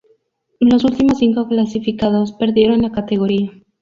Los últimos cinco clasificados perdieron la categoría.